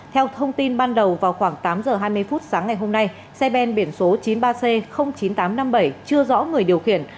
theo thông tin ban đầu vào khoảng tám h hai mươi phút sáng ngày hôm nay xe ben biển số chín mươi ba c chín nghìn tám trăm năm mươi bảy chưa rõ người điều khiển